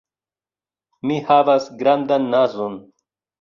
Mi havas grandan nazon.